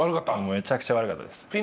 めちゃくちゃ悪かったです。